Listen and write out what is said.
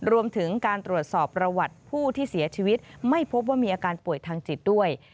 รวมถึงการตรวจสอบประวัติผู้ที่เสียชีวิตไม่พบว่ามีอาการป่วยทางจิตด้วย